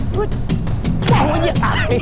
เฮ้ย